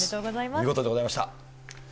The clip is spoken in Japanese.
見事でございました。